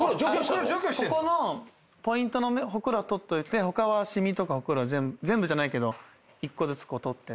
ここのポイントのホクロは取っといて他は染みとかホクロは全部じゃないけど１個ずつ取って。